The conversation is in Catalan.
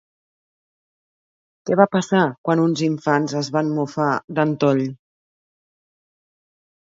Què va passar quan uns infants es van mofar d'en Tõll?